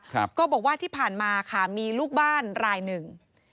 ก็บอกว่าที่ผ่านมาค่ะมีลูกบ้านรายหนึ่ง